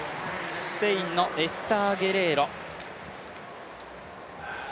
スペインのエスター・ゲレーロ。